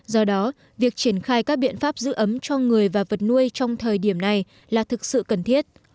do đó việc triển khai các biện pháp giữ ấm cho người và vật nuôi trong thời điểm này là thực sự cần thiết